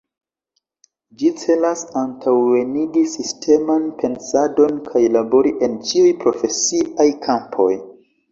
Ĝi celas antaŭenigi sisteman pensadon kaj labori en ĉiuj profesiaj kampoj.